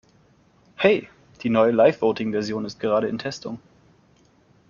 Hey, die neue LiveVoting Version ist gerade in Testung.